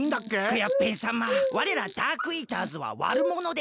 クヨッペンさまわれらダークイーターズはわるものです。